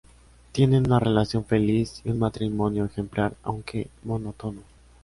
Tienen una relación feliz y un matrimonio ejemplar aunque monótono.